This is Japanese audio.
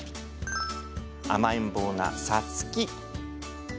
甘えん坊のさつき。